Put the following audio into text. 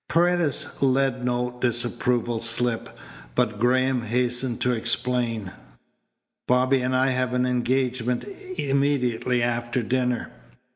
Paredes let no disapproval slip, but Graham hastened to explain. "Bobby and I have an engagement immediately after dinner."